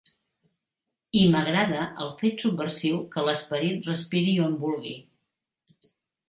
I m'agrada el fet subversiu que l'esperit respiri on vulgui.